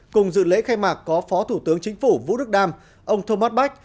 cùng dự lễ khai mạc có phó thủ tướng chính phủ vũ đức đam ông thomas bach